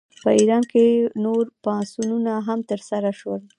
په ایران کې نور پاڅونونه هم ترسره شول.